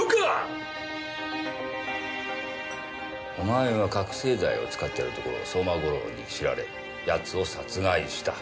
お前は覚せい剤を使ってるところを相馬悟郎に知られ奴を殺害した。